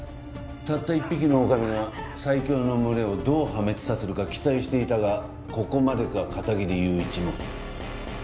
たった一匹の狼が最強の群れをどう破滅させるか期待していたがここまでか片切友一も。